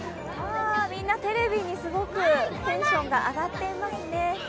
みんなテレビにすごくテンションが上がっていますね。